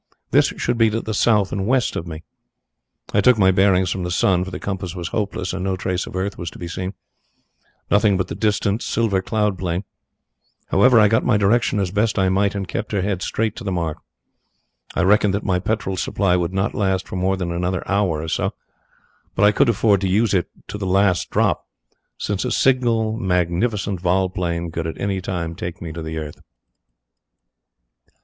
This should be to the south and west of me. I took my bearings from the sun, for the compass was hopeless and no trace of earth was to be seen nothing but the distant, silver cloud plain. However, I got my direction as best I might and kept her head straight to the mark. I reckoned that my petrol supply would not last for more than another hour or so, but I could afford to use it to the last drop, since a single magnificent vol plane could at any time take me to the earth.